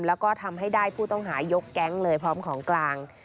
แล้วก็ทำให้ได้ผู้ต้องหายกแก๊งเลยพร้อมของกลาง